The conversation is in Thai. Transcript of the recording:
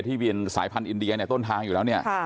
ทั้งสายพันธุ์อินเดียต้นทางอยู่แล้วเนี่ย